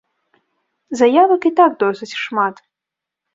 Заявак і так досыць шмат.